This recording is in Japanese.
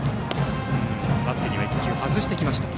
バッテリーは１球外してきました。